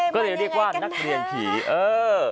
ก็เลยเรียกว่านักเรียนผีเออ